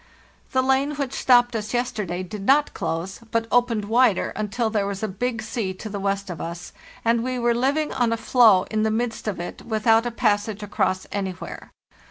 "The lane which stopped us yesterday did not close, but opened wider until there was a big sea to the west of us, and we were living on a floe in the midst of it with out a passage across anywhere.